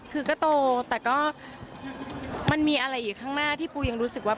คือก็โตแต่ก็มันมีอะไรอยู่ข้างหน้าที่ปูยังรู้สึกว่า